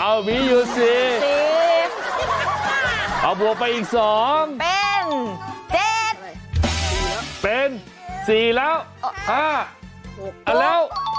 เอาอีก๔บวกไปอีก๒เป็น๗เป็น๔แล้ว๕๖๖